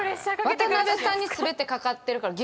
渡邊さんに全て懸かってるから。